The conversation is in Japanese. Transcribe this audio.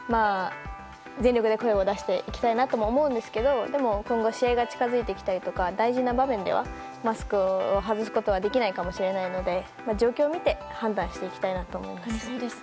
全力で声を出していきたいとは思うんですけどでも、今後試合が近づいてきたりとか大事な場面ではマスクを外すことはできないかもしれないので状況をみて判断していきたいと思います。